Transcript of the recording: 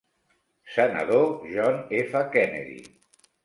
Senador John F. Kennedy.